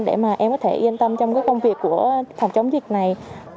để em có thể yên tâm trong công việc của phòng chống dịch này